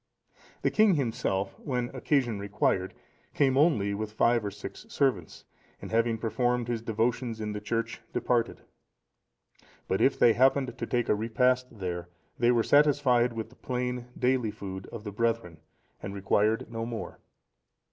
The king himself, when occasion required, came only with five or six servants, and having performed his devotions in the church, departed. But if they happened to take a repast there, they were satisfied with the plain, daily food of the brethren, and required no more.